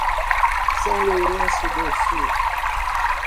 São Lourenço do Sul